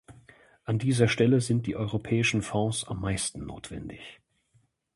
An dieser Stelle sind die europäischen Fonds am meisten notwendig.